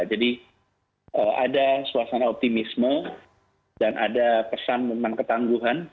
jadi ada suasana optimisme dan ada pesan memang ketangguhan